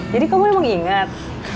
jadi kamu emang inget